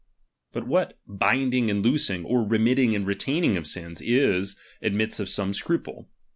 But what hind ^ ing and loosing, or remitting and retaining of sins, is, admits of some scruple.